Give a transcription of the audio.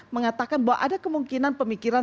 mengatakan bahwa ada kemungkinan pemikiran